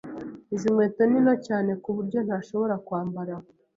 Izi nkweto ni nto cyane kuburyo ntashobora kwambara.